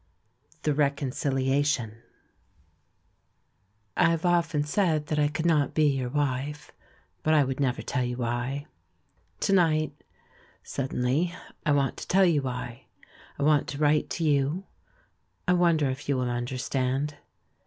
THE RECONCILIATION I HAYE often said that I could not be your wife, but I would never tell you why. To night, suddenly, I want to tell you why, I want to write to you, I wonder if you will understand.